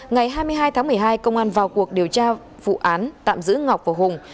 ngày hai mươi hai tháng một mươi hai công an vào cuộc điều tra vụ án tạm giữ ngọc và hùng